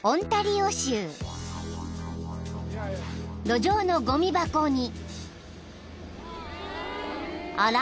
［路上のごみ箱に］